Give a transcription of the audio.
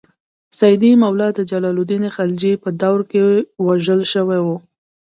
سیدي مولا د جلال الدین خلجي په دور کې وژل شوی و.